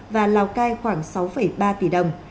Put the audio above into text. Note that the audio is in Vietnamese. và lào cai khoảng sáu ba tỷ đồng